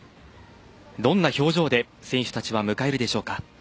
どんな表情で選手たちは迎えるでしょうか。